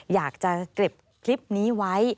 อยากจะเก็บคลิปนี้ไว้